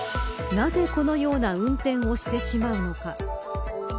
なぜ、このような運転をしてしまうのか。